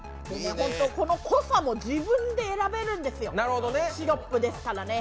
この濃さも自分で選べるんですよ、シロップですからね。